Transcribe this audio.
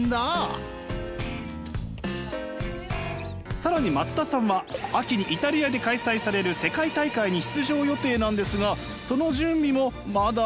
更に松田さんは秋にイタリアで開催される世界大会に出場予定なんですがその準備もまだまだ。